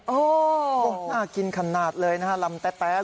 โอ้โหน่ากินขนาดเลยนะฮะลำแต๊ะ